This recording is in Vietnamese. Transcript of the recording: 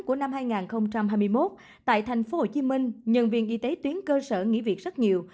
của năm hai nghìn hai mươi một tại thành phố hồ chí minh nhân viên y tế tuyến cơ sở nghỉ việc rất nhiều